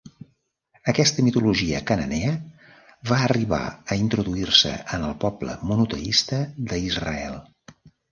Aquesta mitologia cananea va arribar a introduir-se en el poble monoteista d'Israel.